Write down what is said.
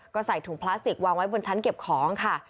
ก็ใส่ถุงพลาสติกวางไว้บนชั้นเก็บของค่ะ